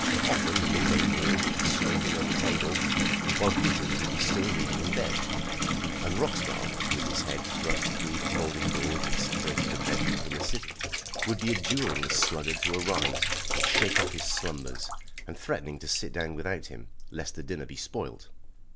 Often the mid day meal would be smoking on the table while Peters would be still reading in bed, and Roxdal, with his head thrust through the folding doors that separated the bedroom from the sitting room, would be adjuring the sluggard to arise and shake off his slumbers, and threatening to sit down without him, lest the dinner be spoilt.